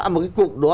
một cái cục đó